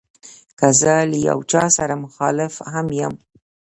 که زه له یو چا سره مخالف هم یم.